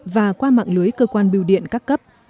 và qua mạng lưới cơ quan biêu điện các cấp